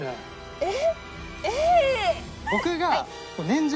えっ？